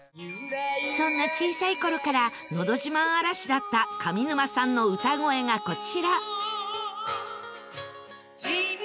そんな小さい頃からのど自慢荒らしだった上沼さんの歌声がこちら！